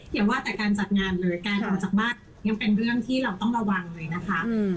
อย่าว่าแต่การจัดงานเลยการออกจากบ้านยังเป็นเรื่องที่เราต้องระวังเลยนะคะ